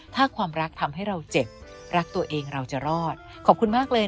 ถ้าความรักทำให้เราเจ็บรักตัวเองเราจะรอดขอบคุณมากเลย